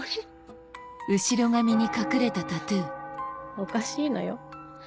フッおかしいのよ。